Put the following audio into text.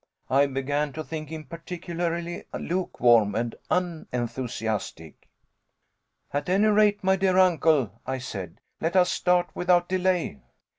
I began to think him particularly lukewarm and unenthusiastic. "At any rate, my dear uncle," I said, "let us start without delay."